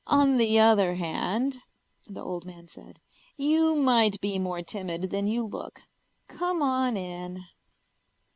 "On the other hand," the old man said, "you might be more timid than you look. Come on in."